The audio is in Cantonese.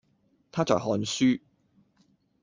他在看書